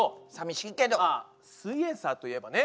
まあ「すイエんサー」といえばね